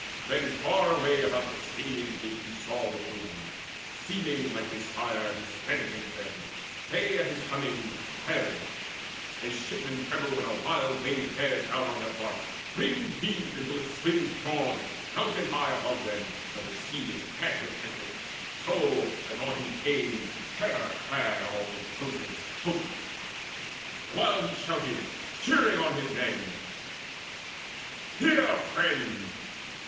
Then far away about the Scaean Gate He saw the Trojans: seeming like his sire, He sped against them; they at his coming quailed. As shipmen tremble when a wild wave bears Down on their bark, wind heaved until it swings Broad, mountain high above them, when the sea Is mad with tempest; so, as on he came, Terror clad all those Trojans as a cloak, The while he shouted, cheering on his men: "Hear, friends!